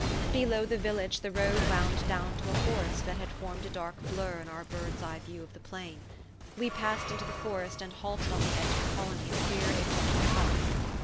Below the village the road wound down to a forest that had formed a dark blur in our bird's eye view of the plain. We passed into the forest and halted on the edge of a colony of queer exotic huts.